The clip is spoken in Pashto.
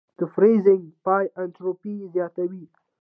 د فریزینګ پای انټروپي زیاتوي.